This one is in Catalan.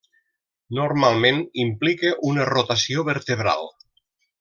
Normalment, implica una rotació vertebral.